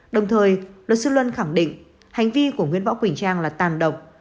đồng thời luật sư luân khẳng định hành vi của nguyễn võ quỳnh trang là tàn động